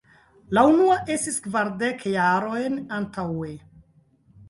La unua estis kvardek jarojn antaŭe!